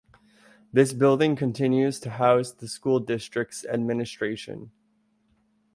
This building continues to house the school district's administration.